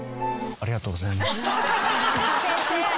ありがとうございます。